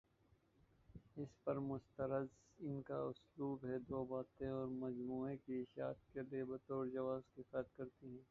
اس پہ مستزاد ان کا اسلوب یہ دوباتیں اس مجموعے کی اشاعت کے لیے بطورجواز کفایت کرتی ہیں۔